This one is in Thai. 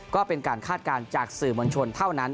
ก็เป็นการคาดการณ์จากสื่อมวลชนเท่านั้น